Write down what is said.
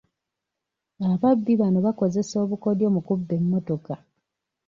Ababbi bano bakozesa obukodyo mu kubba emmotoka.